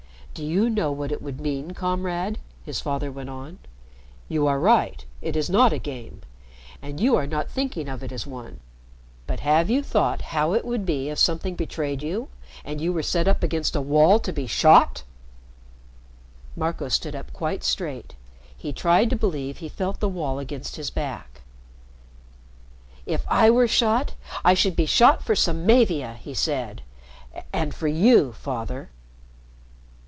"Do you know what it would mean, Comrade?" his father went on. "You are right. It is not a game. And you are not thinking of it as one. But have you thought how it would be if something betrayed you and you were set up against a wall to be shot?" Marco stood up quite straight. He tried to believe he felt the wall against his back. "If I were shot, I should be shot for Samavia," he said. "And for you, Father."